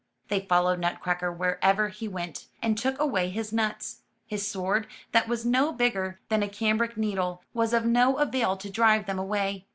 They followed Nutcracker wherever he went, and took away his nuts. His sword, that was no bigger than a cambric needle, was of no avail to drive them away.